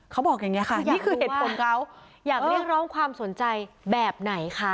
เขาบอกอย่างนี้ค่ะนี่คือเหตุผลเขาอยากเรียกร้องความสนใจแบบไหนคะ